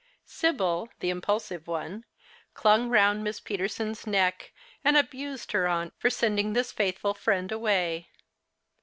8ibyl, the impulsive one, clung round Miss Peterson's neck, and abused her aunt for sending this faithful friend away.